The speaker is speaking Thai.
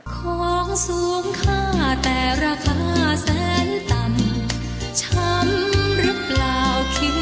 ของสูงค่าแต่ราคาแสนตันช้ำรึเปล่าคิดดู